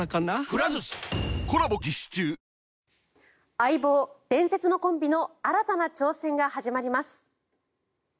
「相棒」、伝説のコンビの新たな挑戦が始まります。